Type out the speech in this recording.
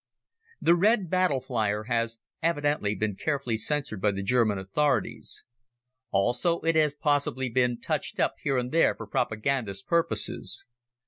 "The Red Battle Flyer" has evidently been carefully censored by the German authorities. Also it has possibly been touched up here and there for propagandist purposes.